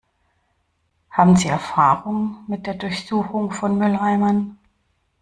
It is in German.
Haben Sie Erfahrung mit der Durchsuchung von Mülleimern?